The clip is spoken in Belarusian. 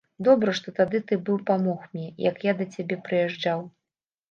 Добра, што тады ты быў памог мне, як я да цябе прыязджаў.